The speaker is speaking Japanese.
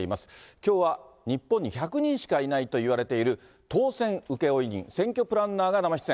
きょうは日本に１００人しかいないといわれている、当選請負人、選挙プランナーが生出演。